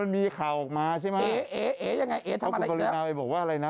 มีข่าวออกมาใช่ไหม